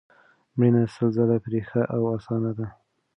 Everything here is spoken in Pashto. مړینه سل ځله پرې ښه او اسانه ده